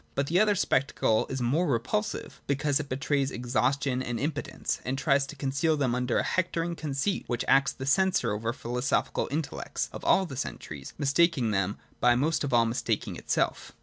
But the other spectacle is more repulsive ; because it betrays exhaus tion and impotence, and tries to conceal them under a hectoring conceit which acts the censor over the philo sophical intellects of all the centuries, mistaking them, but most of all mistaking itself.